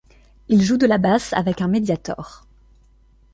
Il joue de la basse avec un médiator.